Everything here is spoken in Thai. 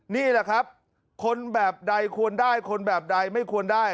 นี่แหละครับคนแบบใดควรได้คนแบบใดไม่ควรได้